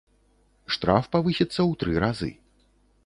Штраф павысіцца ў тры разы.